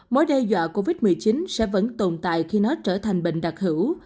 mối đe dọa covid một mươi chín sẽ vẫn tồn tại khi nó trở thành bệnh đặc hữu